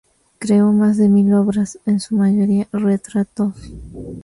Creó más de mil obras, en su mayoría retratos.